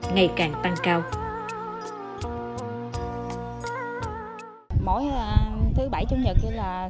ngày càng tăng cao